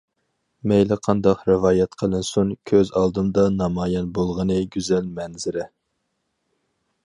مەيلى قانداق رىۋايەت قىلىنسۇن، كۆز ئالدىمدا نامايان بولغىنى گۈزەل مەنزىرە.